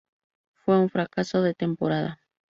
Fue un fracaso de temporada.